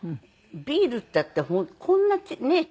ビールっていったってこんなねえ。